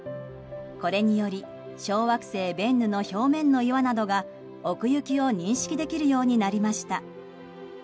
これにより小惑星ベンヌの表面の岩などが奥行きを認識できるようになりました。